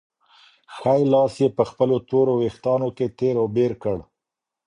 ښی لاس یې په خپلو تورو وېښتانو کې تېر او بېر کړ.